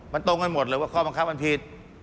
มันตรงกันหมดเลยว่าข้อบังคับมันผิด